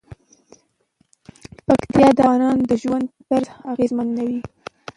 پکتیا د افغانانو د ژوند طرز اغېزمنوي.